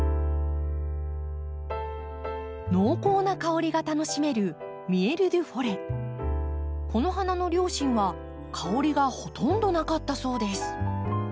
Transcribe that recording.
濃厚な香りが楽しめるこの花の両親は香りがほとんどなかったそうです。